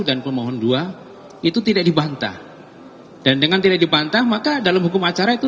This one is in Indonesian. dan pemohon dua itu tidak dibantah dan dengan tidak dibantah maka dalam hukum acara itu